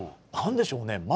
何でしょうね